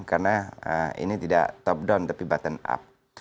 karena ini tidak top down tapi button up